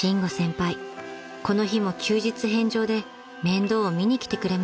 この日も休日返上で面倒を見に来てくれました］